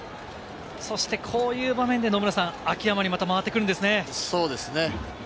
こういう場面で野村さん、秋山にまた回ってくるんですね。